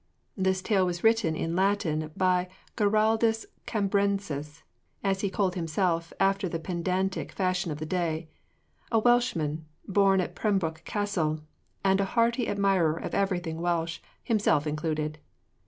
This tale was written in Latin by Giraldus Cambrensis (as he called himself, after the pedantic fashion of his day), a Welshman, born at Pembroke Castle, and a hearty admirer of everything Welsh, himself included.